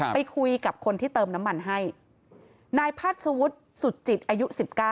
ไปคุยกับคนที่เติมน้ำมันให้นายพาสวุฒิสุดจิตอายุ๑๙